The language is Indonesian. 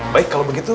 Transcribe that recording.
baik kalau begitu